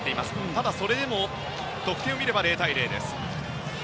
ただ、それでも得点を見れば０対０です。